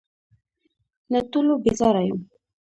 له ټولو بېزاره یم .